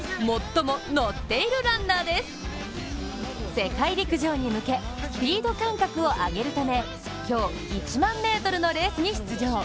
世界陸上に向け、スピード感覚を上げるため今日、１００００ｍのレースに出場。